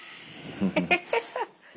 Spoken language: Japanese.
フフフフ！